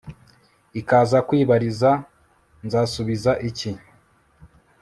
ikaza kwibariza; nzasubiza iki